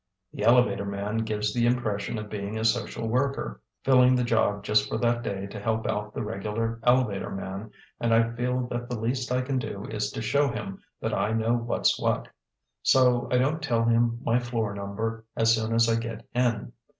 The elevator man gives the impression of being a social worker, filling the job just for that day to help out the regular elevator man, and I feel that the least I can do is to show him that I know what's what. So I don't tell him my floor number as soon as I get in.